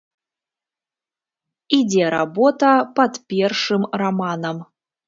Ідзе работа пад першым раманам.